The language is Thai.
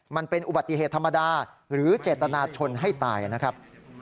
มันเป็นอุบัติเหตุธรรมดาหรือเจตนาชนให้ตายนะครับ